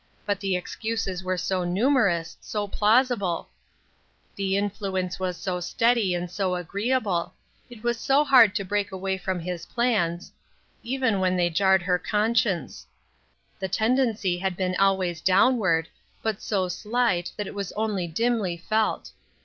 But the excuses were so numerous, so plausible ; the influence was so steady and so agreeable ; it was so hard to break away from his plans, even when they jarred l6 PLANTS THAT HAD BLOSSOMED. her conscience ! The tendency had been always downward, but so slight, that it was only dimly felt.